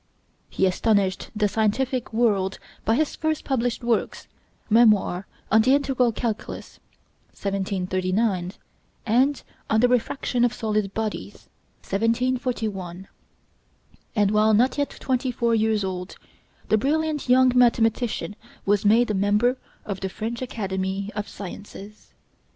He astonished the scientific world by his first published works, 'Memoir on the Integral Calculus' (1739) and 'On the Refraction of Solid Bodies' (1741); and while not yet twenty four years old, the brilliant young mathematician was made a member of the French Academy of Sciences.